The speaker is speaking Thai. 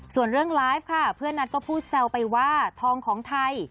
ส่วนเรื่องไลฟ์ค่ะเพื่อนนัทก็พูดแซวไปว่าทองของไทย